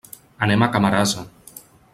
Anem a Camarasa.